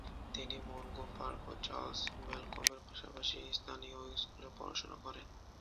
তিনি Mungo Park ও Charles ম্যালকমের পাশাপাশি স্থানীয় স্কুলে পড়াশোনা করেন।